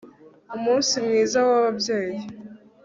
Umunsi mwiza wababyeyi